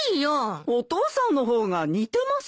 お父さんの方が似てますよ。